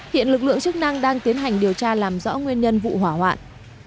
hiện lực lượng chức năng đang tiến hành điều tra làm rõ nguyên nhân vụ hỏa hoạn